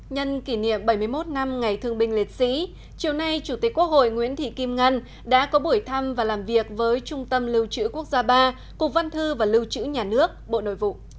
nhân kỷ niệm bảy mươi một năm ngày thương binh liệt sĩ chiều nay chủ tịch quốc hội nguyễn thị kim ngân đã có buổi thăm và làm việc với trung tâm lưu trữ quốc gia ba cục văn thư và lưu trữ nhà nước bộ nội vụ